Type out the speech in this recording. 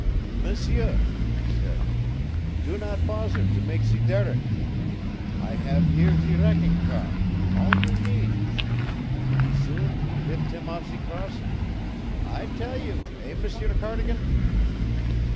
"M'sieur," he said, "do not bozzer to make zee derrick. I have here zee wrecking car all you need; pretty soon we lift him off zee crossing, I tell you, eh, M'sieur Cardigan?"